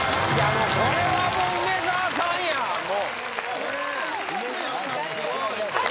もうこれはもう梅沢さんや梅沢さん